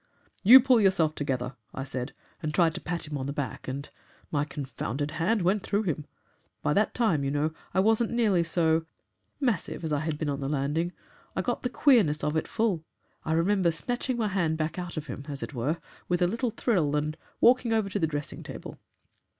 "'You pull yourself together,' I said, and tried to pat him on the back, and... my confounded hand went through him! By that time, you know, I wasn't nearly so massive as I had been on the landing. I got the queerness of it full. I remember snatching back my hand out of him, as it were, with a little thrill, and walking over to the dressing table.